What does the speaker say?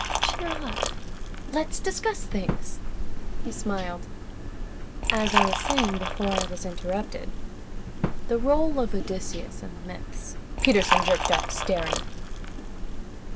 "Cheer up! Let's discuss things." He smiled. "As I was saying before I was interrupted, the role of Odysseus in the myths " Peterson jerked up, staring.